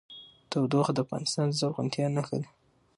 تودوخه د افغانستان د زرغونتیا نښه ده.